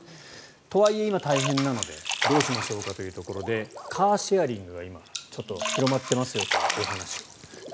とはいえ今、大変なのでどうしましょうかということでカーシェアが広まっていますよというお話を。